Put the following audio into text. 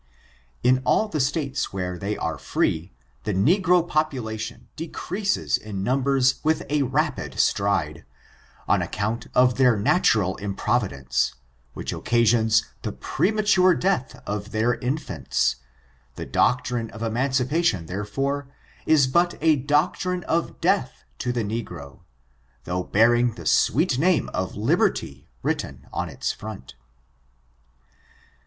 In all the states where they are free, the negro pop* I 368 ORIGIN, CHARACTER, AND ulation decreases in numbers with a rapid stride, on account of their natural improvidence, which occa sions the premature death of their infants; the doc trine of emancipation, therefore, is but a doctrine of death to the negro, though bearing the sweet name of liberty written on its front.